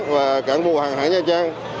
và cảng vụ hàng hải nha trang